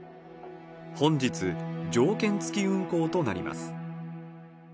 本日、条件付き運航となります。